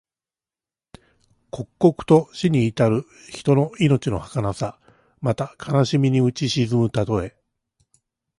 刻々と死に迫る人の命のはかなさ。また、悲しみにうち沈むたとえ。